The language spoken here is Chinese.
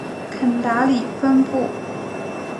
肯达里分布。